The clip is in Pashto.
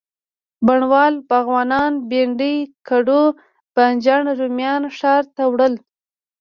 بڼوال، باغوانان، بینډۍ، کدو، بانجان او رومیان ښار ته وړل.